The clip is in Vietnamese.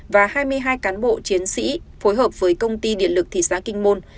và hai mươi hai cán bộ chiến sĩ phối hợp với công ty điện lực thị xã kinh môn